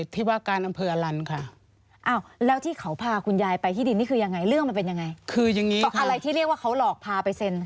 ที่ว่าการอำเภออลันท์ค่ะ